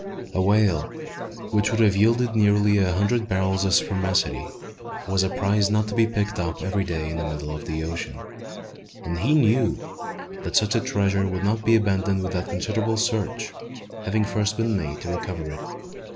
A whale, which would have yielded nearly a hundred barrels of spermaceti, was a prize not to be picked up every day in the middle of the ocean; and he knew that such a treasure would not be abandoned without considerable search having first been made to recover it.